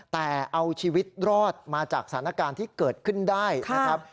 แต่เอาชีวิตรอดมาจากสถานการณ์ที่เกิดขึ้นได้นะครับ